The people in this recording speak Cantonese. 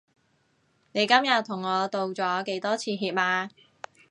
你今日同我道咗幾多次歉啊？